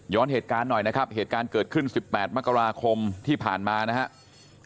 เหตุการณ์หน่อยนะครับเหตุการณ์เกิดขึ้น๑๘มกราคมที่ผ่านมานะครับ